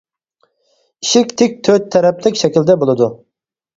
ئىشىك تىك تۆت تەرەپلىك شەكىلدە بولىدۇ.